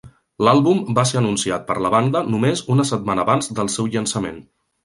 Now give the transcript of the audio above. L'Àlbum va ser anunciat per la banda només una setmana abans del seu llançament.